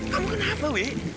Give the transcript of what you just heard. kamu kenapa wih